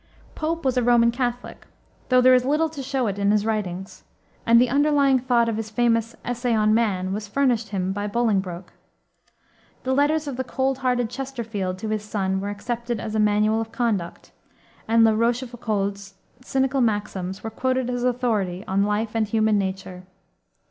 Pope was a Roman Catholic, though there is little to show it in his writings, and the underlying thought of his famous Essay on Man was furnished him by Bolingbroke. The letters of the cold hearted Chesterfield to his son were accepted as a manual of conduct, and La Rochefoucauld's cynical maxims were quoted as authority on life and human nature.